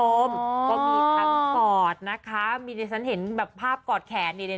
ก็มีทั้งปอดนะคะมีดิฉันเห็นแบบภาพกอดแขนนี่